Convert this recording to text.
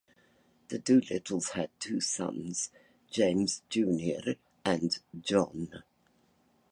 The Doolittles had two sons, James Junior and John.